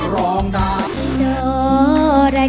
ร้องได้